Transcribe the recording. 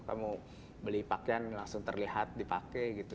kamu beli pakaian langsung terlihat dipakai gitu